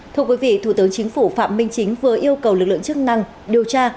thưa quý vị thủ tướng chính phủ phạm minh chính vừa yêu cầu lực lượng chức năng điều tra